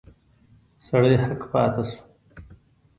سړی هک پاته شو.